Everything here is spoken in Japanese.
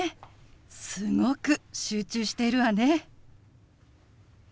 すごく集中しているわね。